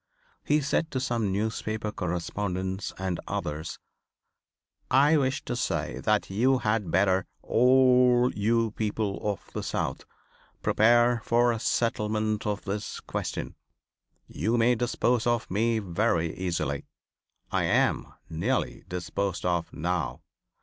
He said to some newspaper correspondents and others: "I wish to say that you had better all you people of the South prepare for a settlement of this question. You may dispose of me very easily. I am nearly disposed of now.